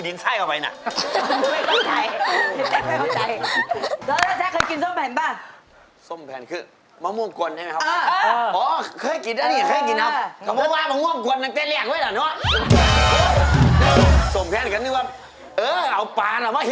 ตกซ้ายเป็นยายอะ